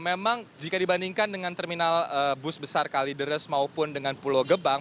memang jika dibandingkan dengan terminal bus besar kalideres maupun dengan pulau gebang